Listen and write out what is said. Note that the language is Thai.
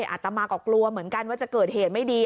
อาตมาก็กลัวเหมือนกันว่าจะเกิดเหตุไม่ดี